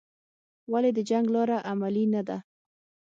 ولې د جنګ لاره عملي نه ده؟